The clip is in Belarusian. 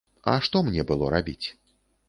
А што мне было рабіць?